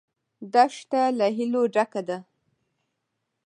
دښته له هیلو ډکه ده.